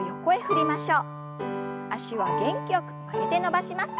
脚は元気よく曲げて伸ばします。